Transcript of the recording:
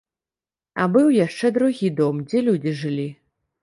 А быў яшчэ другі дом, дзе людзі жылі.